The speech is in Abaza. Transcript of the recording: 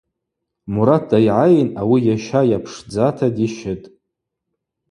Мурат дайгӏайын ауи йаща йапшдзата дищытӏ.